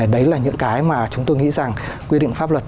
đấy là những cái mà chúng tôi nghĩ rằng quy định pháp luật